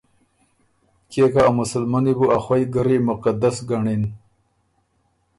کيې که ا مسلمنی بُو ا خوئ ګرّی مقدس ګنړِن